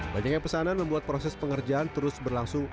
banyak yang pesanan membuat proses pengerjaan terus berlangsung